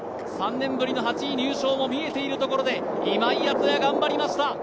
３年ぶりの８位入賞も見えているところで今井篤弥頑張りました。